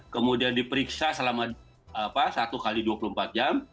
kemudian diperiksa selama satu x dua puluh empat jam